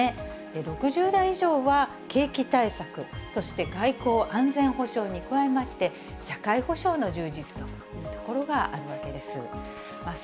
６０代以上は、景気対策、そして外交・安全保障に加えまして、社会保障の充実というところがあるわけです。